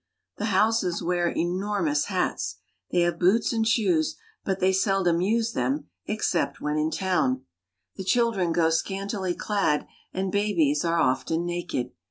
. The Hausas wear enormous hats ; they have boots and »es, but they seldom use them except when in town. 1 76 AFRICA The children go scantily clad, and babies are often naked.